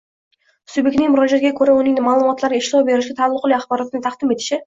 subyektning murojaatiga ko‘ra uning ma’lumotlariga ishlov berishga taalluqli axborotni taqdim etishi;